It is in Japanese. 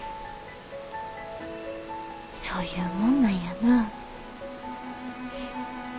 そういうもんなんやな。